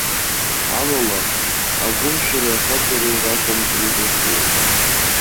Амала, агәымшәареи ахаҵареи ракәым еидызкылаз.